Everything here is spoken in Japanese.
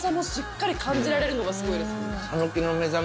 がすごいです。